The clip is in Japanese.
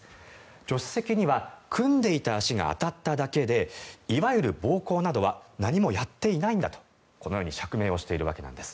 助手席には組んでいた足が当たっただけでいわゆる暴行などは何もやっていないんだと釈明しているわけなんです。